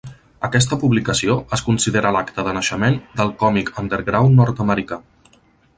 Aquesta publicació es considera l'acta de naixement del còmic underground nord-americà.